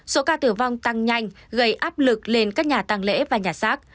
số ca tử vong tăng nhanh gây áp lực lên các nhà tăng lễ và nhà xác